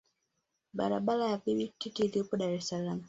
Barabara ya Bibi Titi iliyopo Dar es salaam